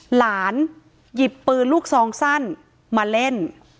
หลานหยิบปืนลูกซองสั้นมาเล่น